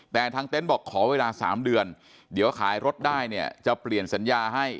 แต่ทางเต็นต์บอกขอเวลา๓เดือนเดี๋ยวขายรถได้เนี่ยจะเปลี่ยนสัญญาให้